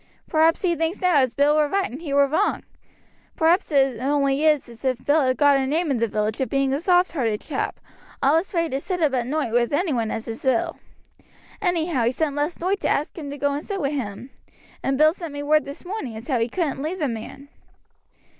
Perhaps he thinks now as Bill were right and he were wrong; perhaps it only is as if Bill ha' got a name in the village of being a soft hearted chap, allus ready to sit up at noight wi' any one as is ill. Anyhow he sent last noight to ask him to go and sit wi' him, and Bill sent me word this morning as how he couldn't leave the man."